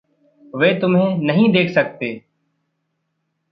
वे तुम्हें देख नहीं सकते।